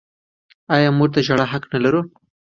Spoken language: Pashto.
آیا موږ د ژړا حق نلرو؟